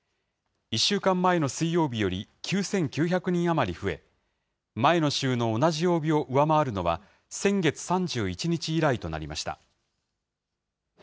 １週間前の水曜日より９９００人余り増え、前の週の同じ曜日を上回るのは、先月３１日以来となりました。